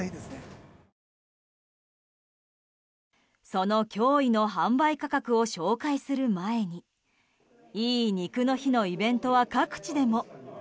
その驚異の販売価格を紹介する前にいい肉の日のイベントは各地でも。